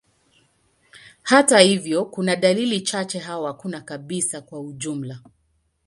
Hata hivyo, kuna dalili chache au hakuna kabisa kwa ujumla.